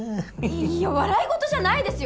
いや笑い事じゃないですよ！